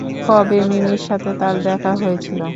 কবে মিমির সাথে তার দেখা হয়েছিল?